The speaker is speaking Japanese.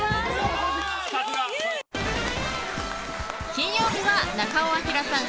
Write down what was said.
金曜日は、中尾彬さん